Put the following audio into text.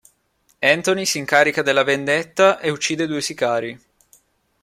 Anthony si incarica della vendetta ed uccide due sicari.